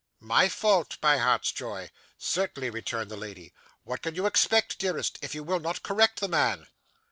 'My fault, my heart's joy?' 'Certainly,' returned the lady; 'what can you expect, dearest, if you will not correct the man?